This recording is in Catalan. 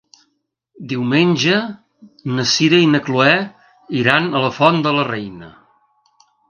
Diumenge na Sira i na Chloé iran a la Font de la Reina.